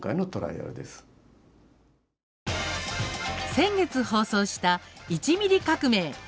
先月放送した「１ミリ革命」。